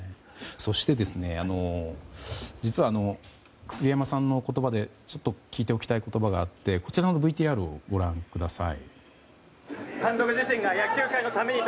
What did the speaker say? そして実は栗山さんの言葉で聞いておきたい言葉があってこちらのＶＴＲをご覧ください。